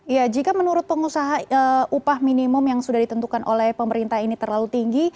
ya jika menurut pengusaha upah minimum yang sudah ditentukan oleh pemerintah ini terlalu tinggi